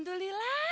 ya allah bapak